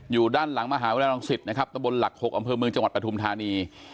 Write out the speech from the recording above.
อยู่ด้านหลังมหาวิทยาลังศิษย์นะครับตะบนหลัก๖อำเภอเมืองจังหวัดปฐุมธานี